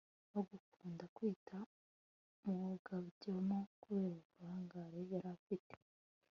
bakundaga kwita umwogabyano kubera uburanga yari afite